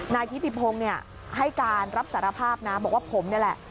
นายทิติพงศ์ให้การรับสารภาพนะบอกว่าผมนี่แหละ